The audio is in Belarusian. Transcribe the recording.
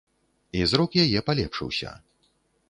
І зрок яе палепшыўся.